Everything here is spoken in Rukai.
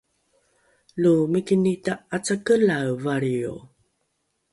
lo mikini ta’acakelae valrio